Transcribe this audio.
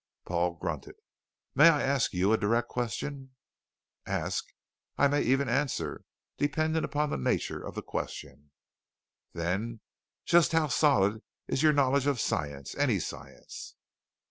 Paul grunted. "May I ask you a direct question?" "Ask. I may even answer, depending upon the nature of the question." "Then, just how solid is your knowledge of science any science?"